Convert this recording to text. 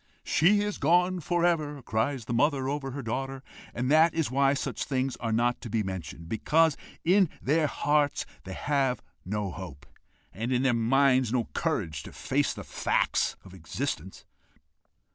'She is gone for ever!' cries the mother over her daughter. And that is why such things are not to be mentioned, because in their hearts they have no hope, and in their minds no courage to face the facts of existence.